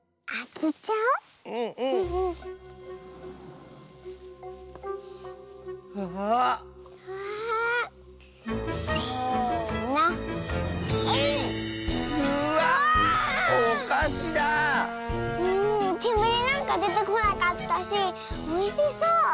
けむりなんかでてこなかったしおいしそう。